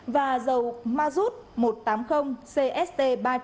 và dầu mazut một trăm tám mươi cst ba năm s không cao hơn một mươi bảy bốn trăm sáu mươi đồng một lít